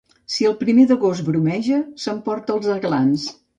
Si el primer d'agost bromeja, s'emporta els aglans.